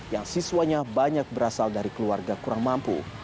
yang siswanya banyak berasal dari keluarga kurang mampu